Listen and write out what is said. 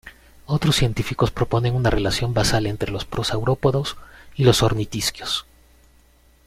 Otros científicos proponen una relación basal entre los prosaurópodos y los ornitisquios.